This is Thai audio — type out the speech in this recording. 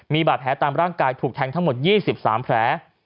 มีบาดแผลตามร่างกายถูกแทงทั้งหมด๒๓แผล